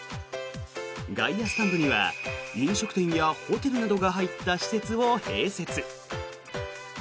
外野スタンドには飲食店やホテルなどが入った施設を併設。